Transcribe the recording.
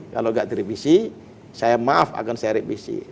kalau nggak direvisi saya maaf akan saya revisi